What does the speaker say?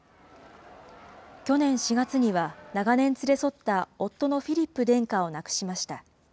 去年４月には、長年連れ添った夫のフィリップ殿下を亡くしました。